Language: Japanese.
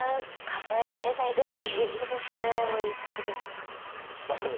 数えられないぐらい遠い先ですね。